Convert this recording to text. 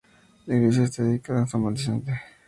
La iglesia está dedicada a san Vicente.